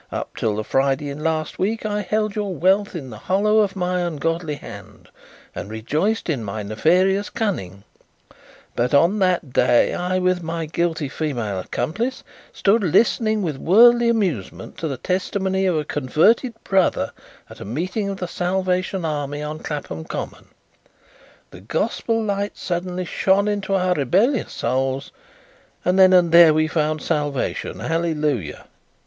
Up till the Friday in last week I held your wealth in the hollow of my ungodly hand and rejoiced in my nefarious cunning, but on that day as I with my guilty female accomplice stood listening with worldly amusement to the testimony of a converted brother at a meeting of the Salvation Army on Clapham Common, the gospel light suddenly shone into our rebellious souls and then and there we found salvation. Hallelujah!